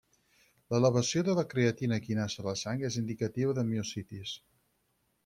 L'elevació de la creatina quinasa a la sang és indicativa de miositis.